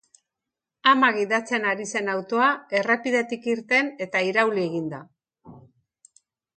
Ama gidatzen ari zen autoa errepidetik irten eta irauli egin da.